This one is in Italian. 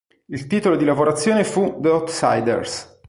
Il titolo di lavorazione fu "The Outsiders".